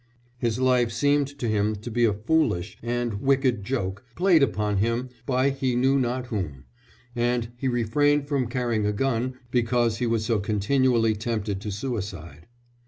His life seemed to him to be a foolish and wicked joke played upon him by he knew not whom, and he refrained from carrying a gun because he was so continually tempted to suicide.